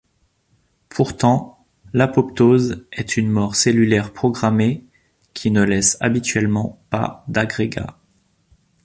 Pourtant l’apoptose est une mort cellulaire programmée qui ne laisse habituellement pas d'agrégats.